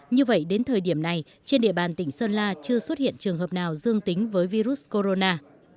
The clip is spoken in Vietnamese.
như vậy đến thời điểm này trên địa bàn tỉnh sơn la chưa xuất hiện trường hợp nào dương tính với virus corona